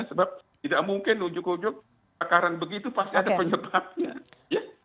sebab tidak mungkin ujung ujung kebakaran begitu pasti ada penyebabnya